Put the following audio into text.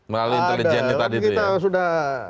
melalui intelijennya tadi itu ya